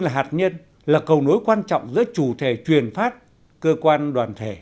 hạt nhân là cầu nối quan trọng giữa chủ thể truyền phát cơ quan đoàn thể